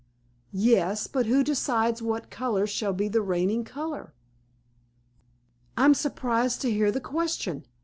"Yes; but who decides what color shall be the reigning color?" "I'm surprised to hear the question!